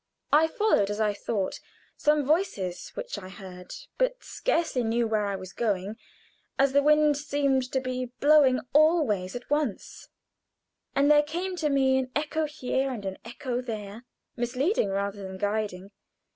I followed, as I thought, some voices which I heard, but scarcely knew where I was going, as the wind seemed to be blowing all ways at once, and there came to me an echo here and an echo there, misleading rather than guiding.